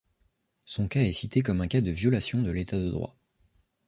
Son cas est cité comme un cas de violation de l'état de droit.